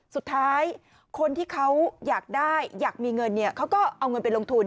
สุดท้ายคนที่เขาอยากได้อยากมีเงินเขาก็เอาเงินไปลงทุน